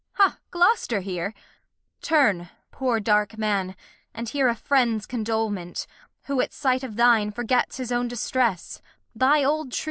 Ha, Gloster here! Turn, poor dark Man, and hear A Friend's Condolement, who at Sight of thine Forgets his own Distress, thy old true Kent.